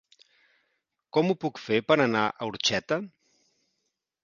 Com ho puc fer per anar a Orxeta?